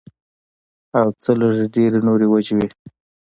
او څۀ لږې ډېرې نورې وجې وي